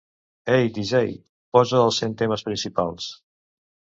"Ei, DJ, posa els cent temes principals".